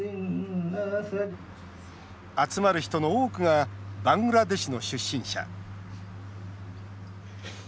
集まる人の多くがバングラデシュの出身者。